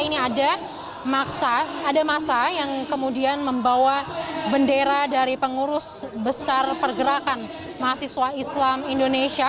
ini ada maksa ada masa yang kemudian membawa bendera dari pengurus besar pergerakan mahasiswa islam indonesia